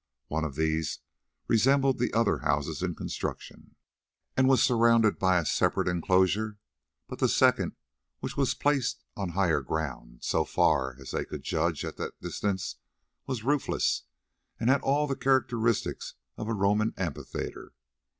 One of these resembled the other houses in construction, and was surrounded by a separate enclosure; but the second, which was placed on higher ground, so far as they could judge at that distance, was roofless, and had all the characteristics of a Roman amphitheatre.